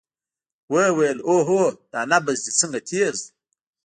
ويې ويل اوهو دا نبض دې څنګه تېز دى.